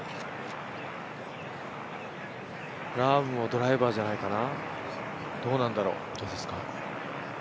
ラームもドライバーじゃないかな、どうなんだろう。